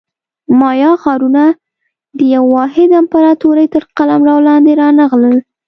مایا ښارونه د یوې واحدې امپراتورۍ تر قلمرو لاندې رانغلل